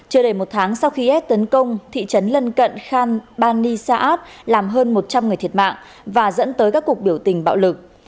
chưa đầy một tháng sau khi is tấn công thị trấn lân cận khan bani saat làm hơn một trăm linh người thiệt mạng và dẫn tới các cuộc biểu tình bạo lực